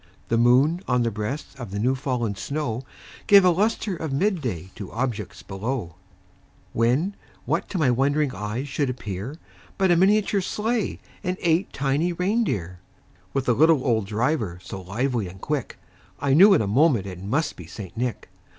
The moon, on the breast of the new fallen snow, Gave a lustre of mid day to objects below; When, what to my wondering eyes should appear, But a miniature sleigh, and eight tiny rein deer, With a little old driver, so lively and quick, I knew in a moment it must be St. Nick.